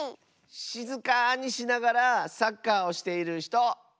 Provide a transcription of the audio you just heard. しずかにしながらサッカーをしているひと。